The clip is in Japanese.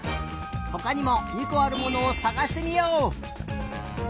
ほかにも２こあるものをさがしてみよう！